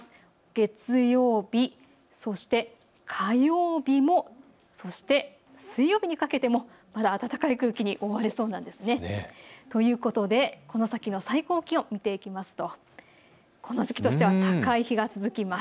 月曜日、そして、火曜日もそして水曜日にかけてもまだ暖かい空気に覆われそうです。ということで、この先の最高気温見ていきますとこの時期としては高い日が続きます。